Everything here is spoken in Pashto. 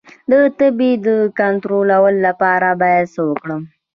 د تبې د کنټرول لپاره باید څه وکړم؟